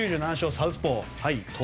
サウスポート